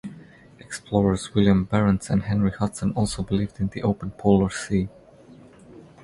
Explorers William Barents and Henry Hudson also believed in the Open Polar Sea.